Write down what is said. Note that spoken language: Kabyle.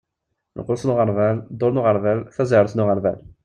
Lqus n uɣerbal, dduṛ n uɣerbal, tazayeṛt n uɣerbal.